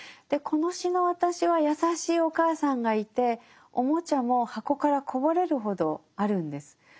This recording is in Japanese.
でこの詩の「私」は優しいお母さんがいて玩具も箱からこぼれるほどあるんです。